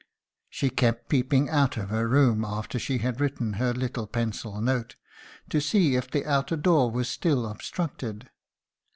She kept peeping out of her room after she had written her little pencil note, to see if the outer door was still obstructed.